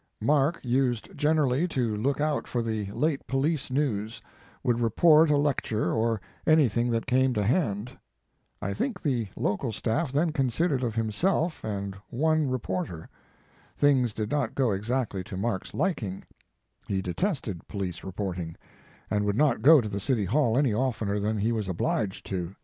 Mark used gen erally to look out for the late police news, would report a lecture or anything that came to hand. I think the local staff then consisted of himself and one reporter. Things did not go exactly to Mark s liking; he detested police reporting, and would not go to the City Hall any oftener than he was obliged to.